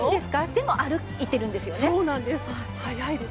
でも歩いてるんですよね。